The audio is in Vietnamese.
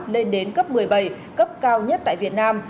lên đến cấp một mươi bảy cấp cao nhất tại việt nam